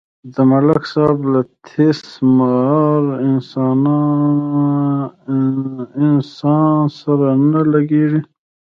د ملک صاحب له تیس مار انسان سره نه لگېږي.